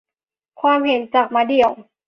ความเห็นจากมะเดี่ยว